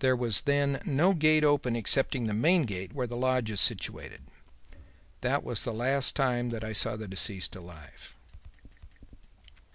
There was then no gate open excepting the main gate where the lodge is situated. That was the last time that I saw the deceased alive.'"